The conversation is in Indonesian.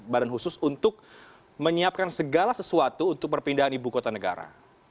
badan khusus untuk menyiapkan segala sesuatu untuk perpindahan ibu kota negara